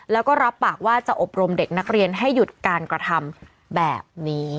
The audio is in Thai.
แล้วก็รับปากว่าจะอบรมเด็กนักเรียนให้หยุดการกระทำแบบนี้